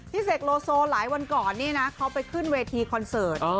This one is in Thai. เสกโลโซหลายวันก่อนนี่นะเขาไปขึ้นเวทีคอนเสิร์ต